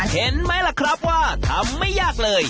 เห็นไหมล่ะครับว่าทำไม่ยากเลย